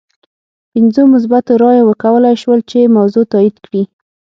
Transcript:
پنځو مثبتو رایو وکولای شول چې موضوع تایید کړي.